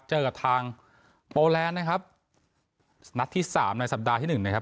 เจอกับทางโปแลนด์นะครับนัดที่สามในสัปดาห์ที่หนึ่งนะครับ